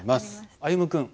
歩夢君。